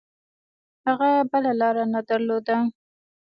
هغه بله لاره نه درلوده.